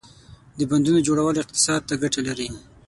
• د بندونو جوړول اقتصاد ته ګټه لري.